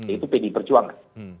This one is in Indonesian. itu pd perjuangan